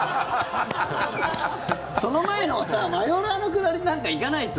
その前のさ、マヨラーのくだりなんか行かないと。